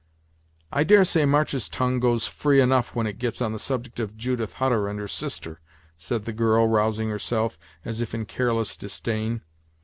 "I dare say March's tongue goes free enough when it gets on the subject of Judith Hutter and her sister," said the girl, rousing herself as if in careless disdain.